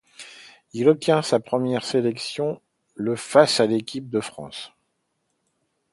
Il obtient sa première sélection le face à l'équipe de France.